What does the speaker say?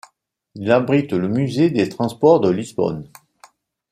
Il abrite le musée des Transports de Lisbonne.